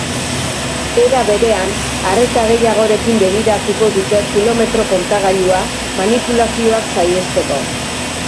Era berean, arreta gehiagorekin begiratuko dute kilometro kontagailua manipulazioak saihesteko.